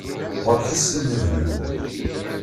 Ɣuṛ-k ad as-tiniḍ i yiwen.